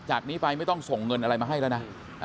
จากนี้ไปไม่ต้องส่งเงินอะไรมาให้แล้วนะ